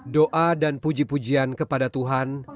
doa dan puji pujian kepada tuhan